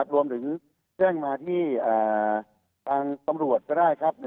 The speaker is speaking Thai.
รวมถึงแจ้งมาที่ทางตำรวจก็ได้ครับ